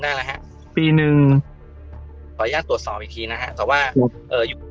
สุดท้ายก็ไม่มีทางเลือกที่ไม่มีทางเลือก